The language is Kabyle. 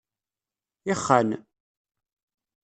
Ixxan.